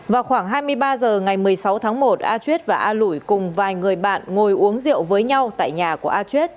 vào khoảng hai mươi ba h ngày một mươi sáu tháng một a chuyết và a lủi cùng vài người bạn ngồi uống rượu với nhau tại nhà của a chuyết